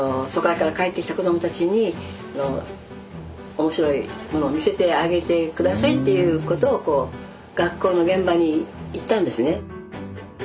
疎開から帰ってきた子どもたちに面白いものを見せてあげて下さいということを学校の現場に言ったんですね。